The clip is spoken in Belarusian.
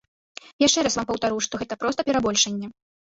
Яшчэ раз вам паўтару, што гэта проста перабольшанне.